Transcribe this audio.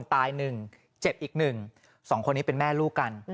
ตาย๑เจ็บอีกหนึ่งสองคนนี้เป็นแม่ลูกกัน